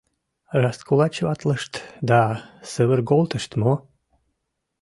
— Раскулачиватлышт да сывырголтышт мо?